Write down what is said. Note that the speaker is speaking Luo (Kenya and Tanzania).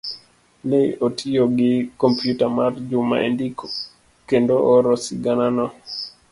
ne otiyo gi kompyuta mar Juma e ndiko kendo oro siganano.